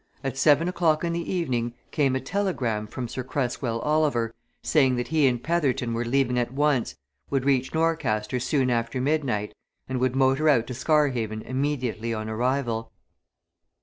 At seven o'clock in the evening came a telegram from Sir Cresswell Oliver, saying that he and Petherton were leaving at once, would reach Norcaster soon after midnight, and would motor out to Scarhaven immediately on arrival.